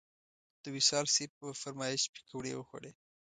د وصال صیب په فرمایش پکوړې وخوړې.